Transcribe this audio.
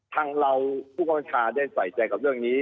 ทั้งเราผู้กำลังชาได้ใส่ใจกับเรื่องนี้